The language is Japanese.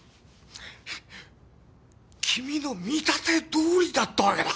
君の見立てどおりだったわけだ。